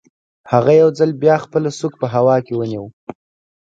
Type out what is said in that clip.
هغه یو ځل بیا خپله سوک په هوا کې ونیو